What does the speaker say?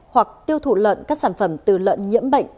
hoặc tiêu thụ lợn các sản phẩm từ lợn nhiễm bệnh